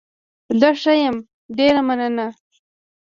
زه ښه يم، ډېره مننه.